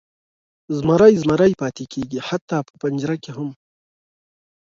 زمری زمری پاتې کیږي، حتی په پنجره کې هم.